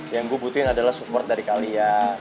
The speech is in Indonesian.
yang gue butuhin adalah support dari kalian